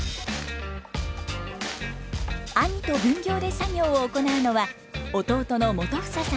兄と分業で作業を行うのは弟の元英さんです。